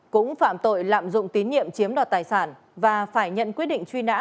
cũng phạm tội lạm dụng tín nhiệm chiếm đoạt tài sản và phải nhận quyết định truy nã